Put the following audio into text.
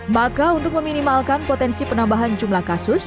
maka untuk meminimalkan potensi penambahan jumlah kasus